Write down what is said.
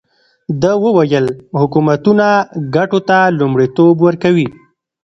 ده وویل حکومتونه ګټو ته لومړیتوب ورکوي.